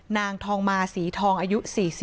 นางทองมาศรีทองอายุ๔๐